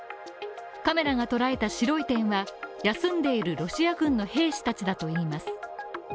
カメラが捉えた白い点は休んでいるロシア軍の兵士だといいます。